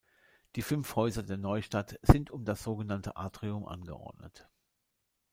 Die fünf Häuser der Neustadt sind um das sogenannte Atrium angeordnet.